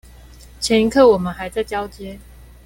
前一刻我們還在交接